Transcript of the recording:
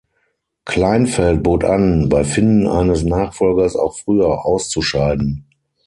Kleinfeld bot an, bei Finden eines Nachfolgers auch früher auszuscheiden.